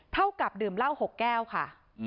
เท่ากับดื่มเหล้า๖แก้วค่ะ